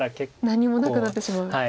何もなくなってしまう。